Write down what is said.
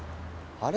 あれ？